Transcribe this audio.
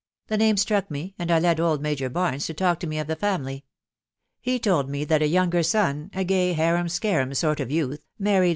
The name struck me, and I led old Major Barnes to talk to me of the family. He told me that a younger son, a gay harum scarum sort of youth, mar* ried.